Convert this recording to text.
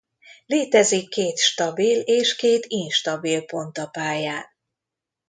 Létezik két stabil és két instabil pont a pályán.